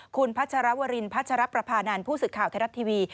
คุณพัชรวรินพัชรับประพานานผู้สึกข่าวแทรฟทีวี